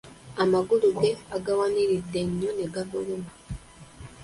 Amagulu ge agawaniride nnyo ne gamuluma.